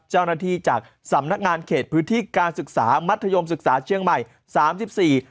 เจ้าหน้าที่จากสำนักงานเขตพื้นที่การศึกษามัธยมศึกษาเชียงใหม่สามสิบสี่